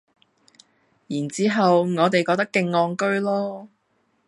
然之後我哋覺得勁戇居囉